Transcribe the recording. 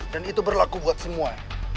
dan itu berlaku buat semua